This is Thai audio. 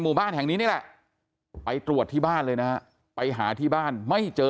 บ้านแห่งนี้นี่แหละไปตรวจที่บ้านเลยนะฮะไปหาที่บ้านไม่เจอ